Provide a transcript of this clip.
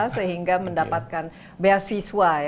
sehingga mendapatkan beasiswa ya